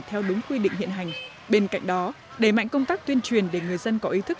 theo đúng quy định hiện hành bên cạnh đó đẩy mạnh công tác tuyên truyền để người dân có ý thức